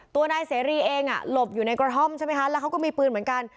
ตัวนายเสรีเองหลบอยู่ในกระท่อมใช่ไหมคะแล้วเขาก็มีปืนเหมือนกัน